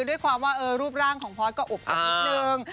ด้วยความว่ารูปร่างของพอร์ตก็อบอุ่นนิดนึง